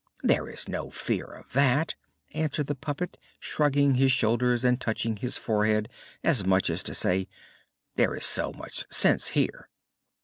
"There is no fear of that!" answered the puppet, shrugging his shoulders and touching his forehead as much as to say: "There is so much sense here!"